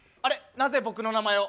なぜ僕の名前を？